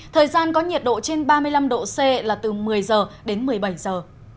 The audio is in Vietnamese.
thời gian có nhiệt độ trên ba mươi năm độ c là từ một mươi giờ đến một mươi bảy giờ